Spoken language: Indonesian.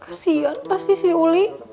kasian pasti si uli